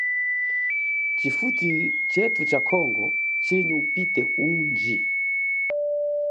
Tshifuchi tshetu tsha congo tshili nyi ubite undji.